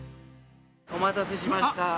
おまたせしました。